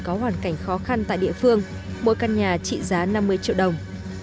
có hoàn cảnh khó khăn tại địa phương mỗi căn nhà trị giá năm mươi triệu đồng